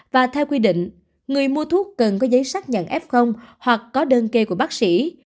và theo quy định người mua thuốc cần có giấy xác nhận f hoặc có đơn kê của bác sĩ